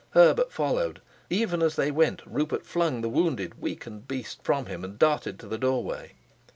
Herbert followed; even as they went Rupert flung the wounded, weakened beast from him and darted to the doorway.